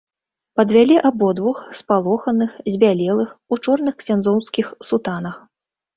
Падвялі абодвух, спалоханых, збялелых, у чорных ксяндзоўскіх сутанах.